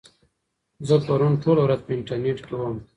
زه پرون ټوله ورځ په انټرنيټ کې وم.